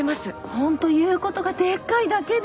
ホント言うことがでっかいだけで。